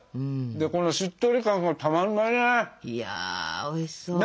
でこのしっとり感がたまんないね。